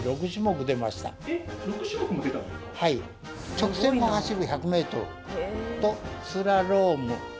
直線を走る１００ｍとスラローム